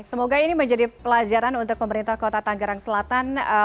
semoga ini menjadi pelajaran untuk pemerintah kota tanggerang selatan